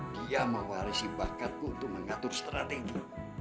dia mewarisi bakat untuk mengatur strategi